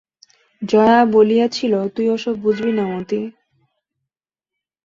জয়া বলিয়াছিল, তুই ওসব বুঝবি না মতি।